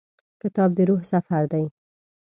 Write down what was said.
کتاب د روح سفر دی.